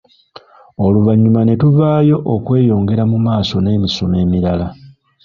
Oluvannyuma ne tuvaayo okweyongera mu maaso n’emisomo emirala.